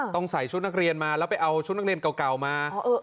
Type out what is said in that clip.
ใส่ชุดนักเรียนมาแล้วไปเอาชุดนักเรียนเก่ามา